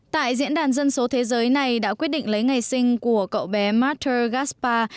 tại diễn đàn dân số thế giới này đã quyết định lấy ngày sinh của cậu bé mater gaspar